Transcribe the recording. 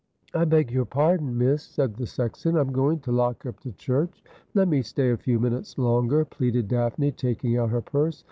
' I beg your pardon, miss,' said the sexton ;' I'm going to lock up the church.' ' Let me stay a few minutes longer,' pleaded Daphne, taking out her purse.